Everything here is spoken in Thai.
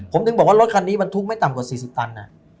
ผมถึงบอกว่ารถคันนี้บรรทุกไม่ต่ำกว่า๔๐ตัน